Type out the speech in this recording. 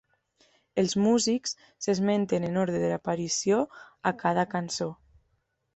"Els músics s'esmenten en ordre d'aparició a cada cançó".